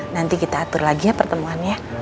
nanti kita atur lagi ya pertemuan ya